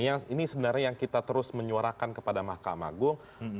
ini sebenarnya yang kita terus menyuarakan kepada mahkamah agung